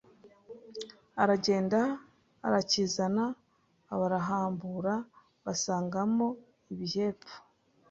Aragenda arakizana Barahambura basangamo ibihepfu